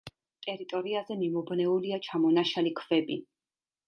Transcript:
ტერიტორიაზე მიმობნეულია ჩამონაშალი ქვები.